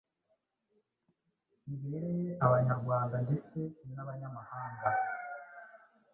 bibereye abanyarwanda ndetse n’abanyamahanga